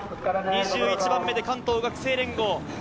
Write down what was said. ２１番目で関東学生連合。